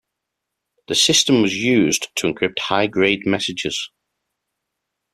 The system was used to encrypt high-grade messages.